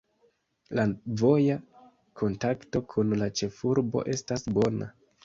La voja kontakto kun la ĉefurbo estas bona.